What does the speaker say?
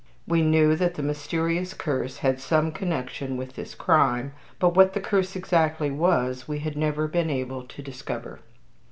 We knew that the mysterious curse had some connection with this crime, but what the curse exactly was we had never been able to discover.